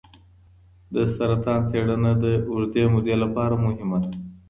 د سرطان څېړنه د اوږدې مودې لپاره مهمه ده.